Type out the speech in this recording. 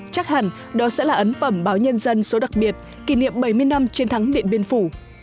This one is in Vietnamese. chắc hẳn đó sẽ là ấn phẩm báo nhân dân số đặc biệt kỷ niệm bảy mươi năm chiến thắng điện biên phủ